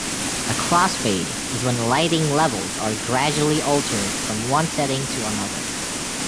A "crossfade" is when lighting levels are gradually altered from one setting to another.